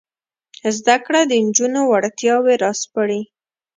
زده کړه د نجونو وړتیاوې راسپړي.